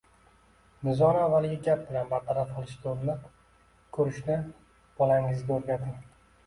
Nizoni avvaliga gap bilan bartaraf qilishga urinib ko‘rishni bolangizga o‘rgating